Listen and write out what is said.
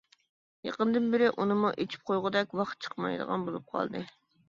يېقىندىن بېرى ئۇنىمۇ ئېچىپ قويغۇدەك ۋاقىت چىقمايدىغان بولۇپ قالدى.